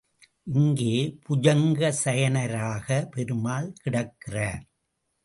இங்கே புஜங்க சயனராக பெருமாள் கிடக்கிறார்.